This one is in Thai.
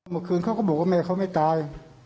เมื่อคืนเขาก็บอกว่าแม่เขาไม่ตาย